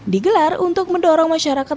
digelar untuk mendorong masyarakat